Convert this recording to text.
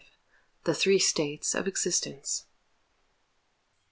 THE THREE STATES OF EXISTENCE.